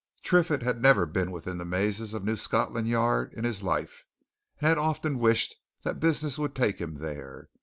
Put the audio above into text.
Triffitt had never been within the mazes of New Scotland Yard in his life, and had often wished that business would take him there.